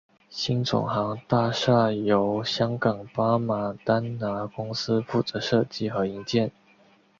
新总行大厦由香港巴马丹拿公司负责设计和营建。